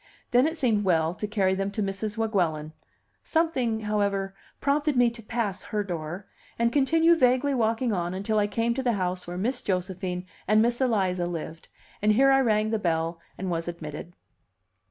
Then it seemed well to carry them to Mrs. Weguelin. Something, however, prompted me to pass her door, and continue vaguely walking on until I came to the house where Miss Josephine and Miss Eliza lived; and here I rang the bell and was admitted.